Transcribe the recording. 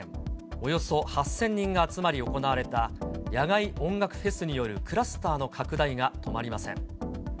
およそ８０００人が集まり行われた、野外音楽フェスによるクラスターの拡大が止まりません。